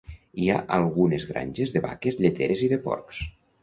Hi ha algunes granges de vaques lleteres i de porcs.